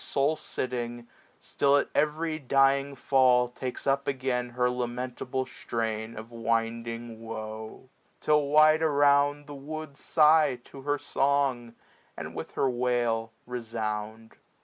Sole sitting, still at every dying fall Takes up again her lamentable strain Of winding woe ; till wide around, the woods Sigh to her song, and with her wail resound.